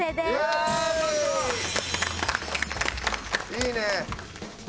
いいね！